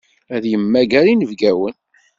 Ad yemmager inebgawen.